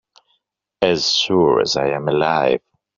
As sure as I am alive.